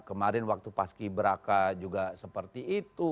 kemarin waktu paski beraka juga seperti itu